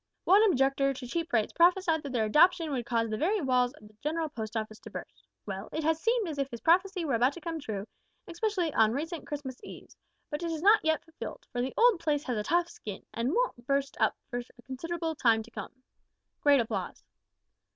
One objector to cheap rates prophesied that their adoption would cause the very walls of the General Post Office to burst. Well, it has seemed as if his prophecy were about to come true, especially on recent Christmas eves, but it is not yet fulfilled, for the old place has a tough skin, and won't burst up for a considerable time to come." (Great applause.)